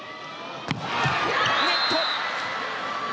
ネット。